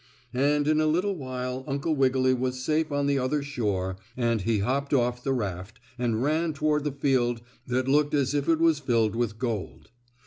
And in a little while Uncle Wiggily was safe on the other shore and he hopped off the raft and ran toward the field that looked as if it was filled with gold.